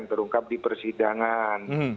terungkap di persidangan